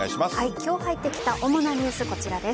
今日入ってきた主なニュース、こちらです。